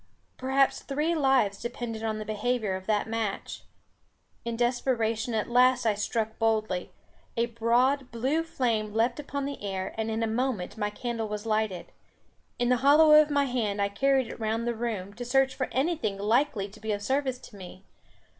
Perhaps three lives depended on the behaviour of that match. In desperation at last I struck boldly! a broad blue flame leaped upon the air, and in a moment my candle was lighted. In the hollow of my hand I carried it round the room, to search for anything likely to be of service to me.